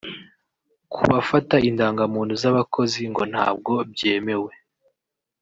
Ku bafata indangamuntu z’abakozi ngo ntabwo byemewe